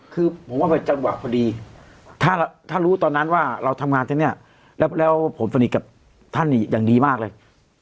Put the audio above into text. คือผมว่าเป็นจังหวะพอดีถ้ารู้ตอนนั้นว่าเราทำงานที่นี่แล้วผมสนิทกับท่านอย่างดีมากเลย